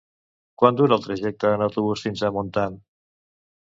Quant dura el trajecte en autobús fins a Montant?